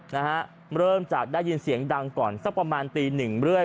นะฮะเริ่มจากได้ยินเสียงดังก่อนสักประมาณตีหนึ่งเรื่อย